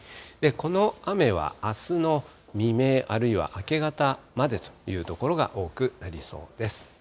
この雨はあすの未明、あるいは明け方までという所が多くなりそうです。